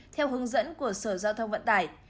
theo hướng dẫn của sở giao thông vận tải